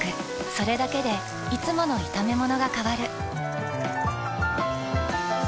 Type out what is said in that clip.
それだけでいつもの炒めものが変わる。